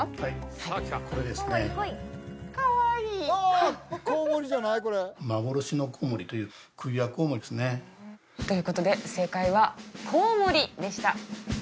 はいこれですねかわいい幻のコウモリというクビワコウモリですねということで正解は「コウモリ」でした